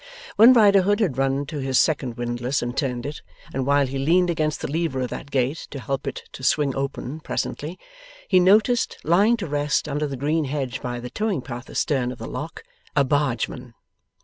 When Riderhood had run to his second windlass and turned it, and while he leaned against the lever of that gate to help it to swing open presently, he noticed, lying to rest under the green hedge by the towing path astern of the Lock, a Bargeman.